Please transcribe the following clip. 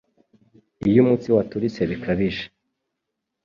Iyo umutsi waturitse bikabije